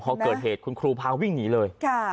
พอเกิดเหตุคุณครูพาวิ่งหนีเลย